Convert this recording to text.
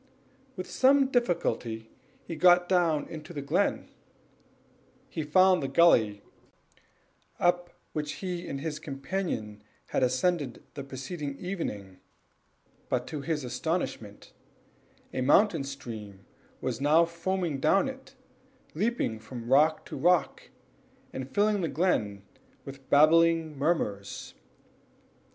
With some difficulty he got down into the glen; he found the gully up which he and his companion has ascended the preceding evening; but to his astonishment a mountain stream was now foaming down it, leaping from rock to rock, and filling the glen with babbling murmurs.